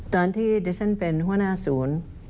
ตอนที่ดิฉันเป็นหัวหน้าศูนย์